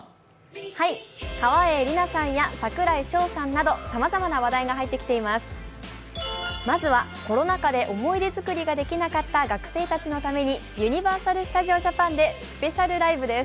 川栄李奈さんや櫻井翔さんなどさまざまな話題が入ってきています。